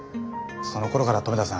そのころから留田さん